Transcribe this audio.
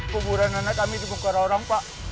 keburan anak kami dibuka orang orang pak